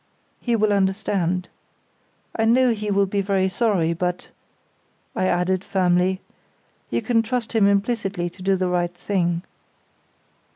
"He will understand. I know he will be very sorry, but," I added, firmly, "you can trust him implicitly to do the right thing."